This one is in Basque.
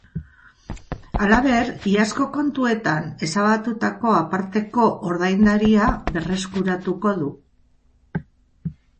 Halaber, iazko kontuetan ezabatutako aparteko ordaindaria berreskuratuko du.